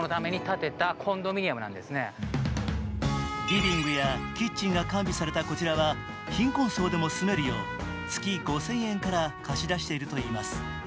リビングやキッチンが完備されたこちらは貧困層でも住めるよう、月５０００円から貸し出しているといいます。